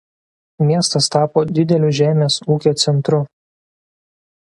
Miestas tapo dideliu žemės ūkio centru.